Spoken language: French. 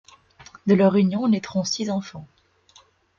De leur union naitront six enfants.